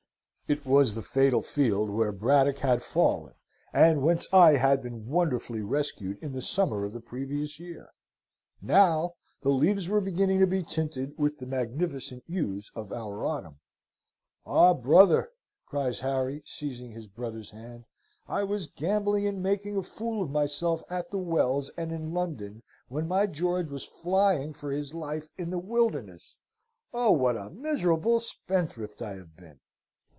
It was the fatal field where Braddock had fallen, and whence I had been wonderfully rescued in the summer of the previous year. Now, the leaves were beginning to be tinted with the magnificent hues of our autumn." "Ah, brother!" cries Harry, seizing his brother's hand. "I was gambling and making a fool of myself at the Wells and in London, when my George was flying for his life in the wilderness! Oh, what a miserable spendthrift I have been!"